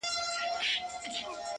د زړه رگونه مي د باد په هديره كي پراته،